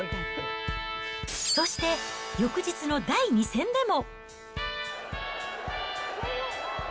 そして翌日の第２戦でも。